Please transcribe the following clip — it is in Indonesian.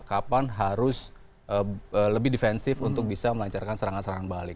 kapan harus lebih defensif untuk bisa melancarkan serangan serangan balik